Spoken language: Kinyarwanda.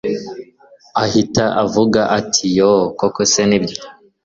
ahita avuga ati Yoo, koko se nibyo